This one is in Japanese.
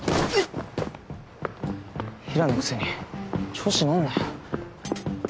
平良のくせに調子乗んなよ。